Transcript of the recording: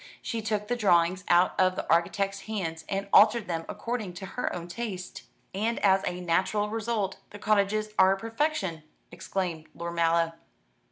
She took the drawings out of the architect's hands, and altered them according to her own taste." "And as a natural result, the cottages are perfection!" exclaimed Lord Mallow.